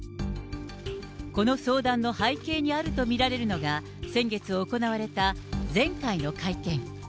この相談の背景にあると見られるのが、先月行われた前回の会見。